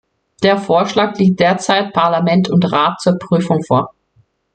Der Vorschlag liegt derzeit Parlament und Rat zur Prüfung vor.